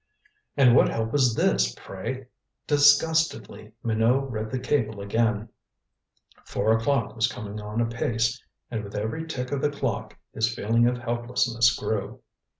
And what help was this, pray? Disgustedly Minot read the cable again. Four o'clock was coming on apace, and with every tick of the clock his feeling of helplessness grew.